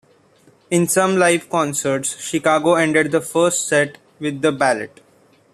In some live concerts Chicago ended the first set with the Ballet.